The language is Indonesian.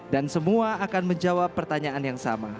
dan semua akan menjawab pertanyaan yang sama